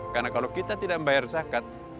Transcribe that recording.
karena kalau kita tidak membayar zakat